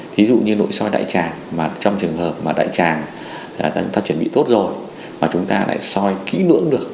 thí dụ như nội soi đại tràng mà trong trường hợp mà đại tràng chúng ta chuẩn bị tốt rồi mà chúng ta lại soi kỹ lưỡng được